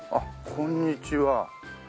こんにちは。